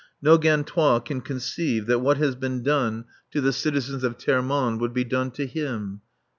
No Gantois can conceive that what has been done to the citizens of Termonde would be done to him.